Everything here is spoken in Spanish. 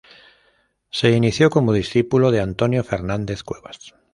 Se inició como discípulo de Antonio Fernández Cuevas.